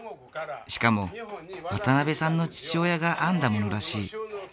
しかも渡辺さんの父親が編んだものらしい。